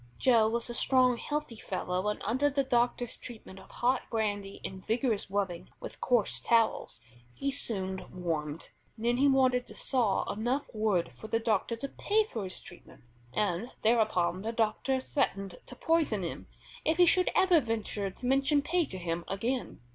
Joe was a strong, healthy fellow, and under the doctor's treatment of hot brandy and vigorous rubbing with coarse towels, he soon warmed. Then he wanted to saw enough wood for the doctor to pay for his treatment, and thereupon the doctor threatened to poison him if he should ever venture to mention pay to him again.